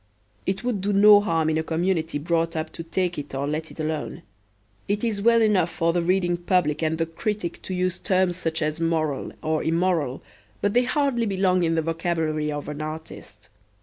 It would do no harm in a community brought up to take it or let it alone. It is well enough for the reading public and the critic to use terms such as moral or immoral, but they hardly belong in the vocabulary of an artist.